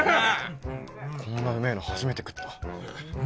こんなうめえの初めて食った。